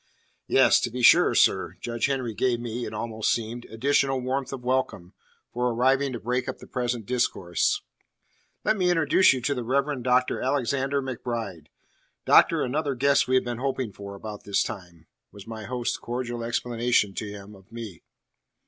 "Yes, to be sure, sir." Judge Henry gave me (it almost seemed) additional warmth of welcome for arriving to break up the present discourse. "Let me introduce you to the Rev. Dr. Alexander MacBride. Doctor, another guest we have been hoping for about this time," was my host's cordial explanation to him of me.